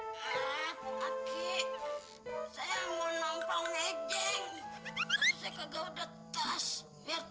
tapi kakek punya tos boleh kakek pinjam tas pak